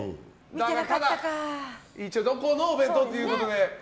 ただ、一応どこのお弁当かということで。